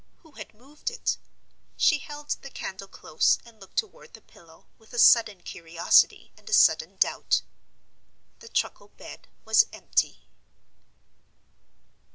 Who had moved it? She held the candle close and looked toward the pillow, with a sudden curiosity and a sudden doubt. The truckle bed was empty.